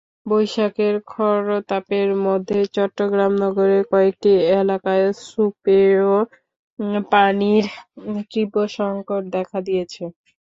বৈশাখের খরতাপের মধ্যে চট্টগ্রাম নগরের কয়েকটি এলাকায় সুপেয় পানির তীব্র সংকট দেখা দিয়েছে।